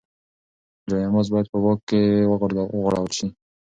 جاینماز باید په پاک ځای کې وغوړول شي.